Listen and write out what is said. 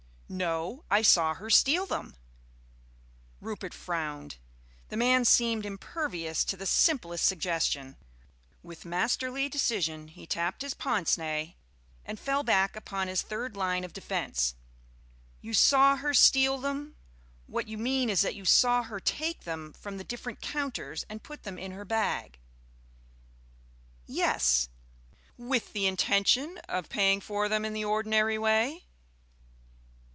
"No. I saw her steal them." Rupert frowned; the man seemed impervious to the simplest suggestion. With masterly decision he tapped his pince nez and fell back upon his third line of defence. "You saw her steal them? What you mean is that you saw her take them from the different counters and put them in her bag?" "Yes." "With the intention of paying for them in the ordinary way?"